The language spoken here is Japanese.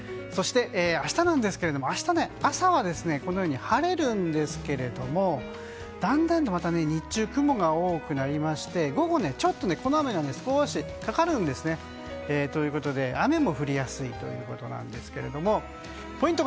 そして、明日なんですけれども明日、朝はこのように晴れるんですけれどもだんだんとまた日中雲が多くなりまして午後、ちょっと雲がかかるんですね。ということで雨も降りやすいということですがポイント